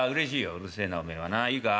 「うるせえなおめえはないいか？